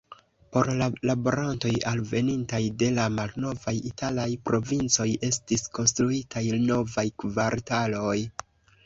Por la laborantoj alvenintaj de la malnovaj italaj provincoj estis konstruitaj novaj kvartaloj.